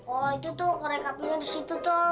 oh itu tuh korek apinya disitu tuh